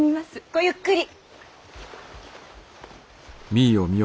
ごゆっくり！